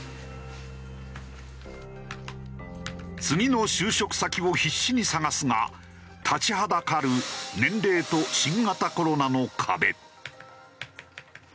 次の就職先を必死に探すが立ちはだかる年齢と新型コロナの壁。